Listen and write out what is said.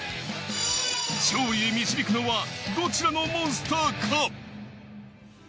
勝利へ導くのはどちらのモンスターか。